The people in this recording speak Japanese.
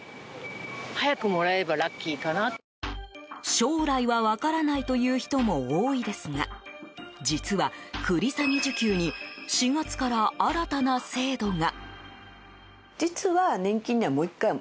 将来は分からないという人も多いですが実は、繰り下げ受給に４月から新たな制度が。